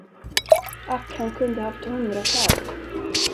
Ack, han kunde haft hundratals.